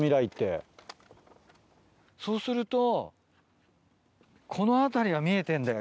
そうするとこの辺りは見えてんだよ